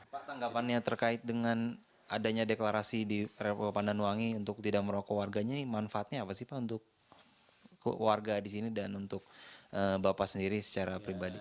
pak tanggapannya terkait dengan adanya deklarasi di rw pandanwangi untuk tidak merokok warganya ini manfaatnya apa sih pak untuk warga di sini dan untuk bapak sendiri secara pribadi